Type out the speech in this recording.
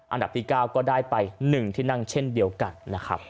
อันดับที่๙ก็ได้ไป๑ที่นั่งเช่นเดียวกันนะครับ